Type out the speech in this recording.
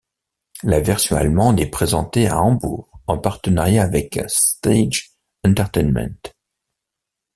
La version allemande est présentée à Hambourg en partenariat avec Stage Entertainment.